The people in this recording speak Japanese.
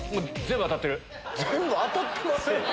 全部当たってませんよ。